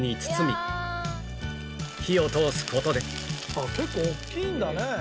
あっ結構大きいんだね。